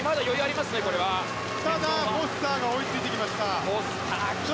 ただ、フォスターが追いついてきましたね。